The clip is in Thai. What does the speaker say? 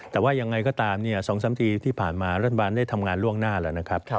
แต่ว่ายังไงก็ตาม๒๓ปีที่ผ่านมารัฐบาลได้ทำงานล่วงหน้าแล้วนะครับ